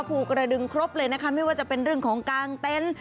ภูกระดึงครบเลยนะคะไม่ว่าจะเป็นเรื่องของกางเต็นต์